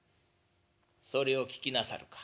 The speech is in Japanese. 「それを聞きなさるか。